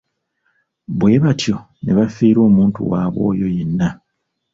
Bwe batyo ne bafiirwa omuntu waabwe oyo yenna.